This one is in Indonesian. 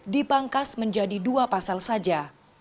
dipangkas menjadi dua pasal saja